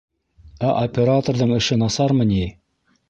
— Ә операторҙың эше насармы ни?